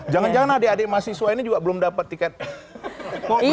jangan jangan adik adik mahasiswa ini juga belum dapat tiket poin